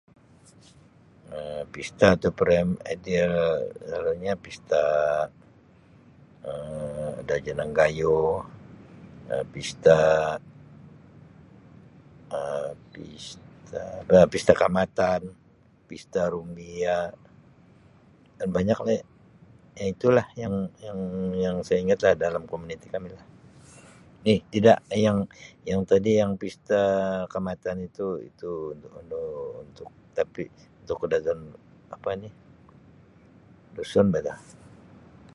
Um Pesta atau perayaan ideal selalunya Pesta Um Adau Janang Gayuh Um Pesta Um Pesta Kaamatan Pesta Rumbia dan banyak lagi. Yang itu lah yang-yang yang saya ingatlah dalam komuniti kami Um tidak yang-yang tadi yang Pesta Kaamatan itu, itu untuk tapi untuk Kadazan apa ni Dusun bah tu.